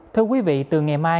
thưa quý vị từ ngày mai